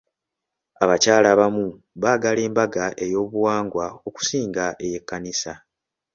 Abakyala abamu baagala embaga ey'obuwangwa okusinga ey'ekkanisa.